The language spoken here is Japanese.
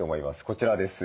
こちらです。